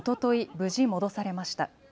無事、戻されました。